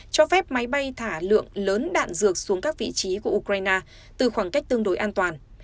cho phép máy bay thả lượng lớn đạn dược xuống các vị trí của ukraine từ khoảng cách tương đối an toàn